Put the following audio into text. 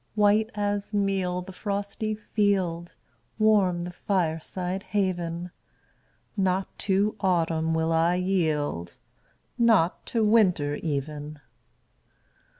White as meal the frosty field Warm the fireside haven Not to autumn will I yield, Not to winter even!